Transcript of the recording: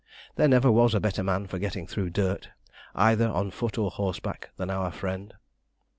There never was a better man for getting through dirt, either on foot or horseback, than our friend.